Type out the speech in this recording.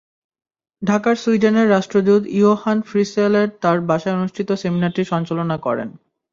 ঢাকায় সুইডেনের রাষ্ট্রদূত ইয়োহান ফ্রিসেল তাঁর বাসায় অনুষ্ঠিত সেমিনারটি সঞ্চালনা করেন।